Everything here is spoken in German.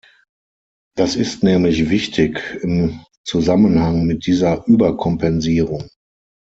Das ist nämlich wichtig im Zusammenhang mit dieser Überkompensierung.